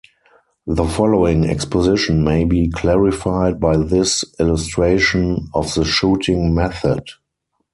The following exposition may be clarified by this illustration of the shooting method.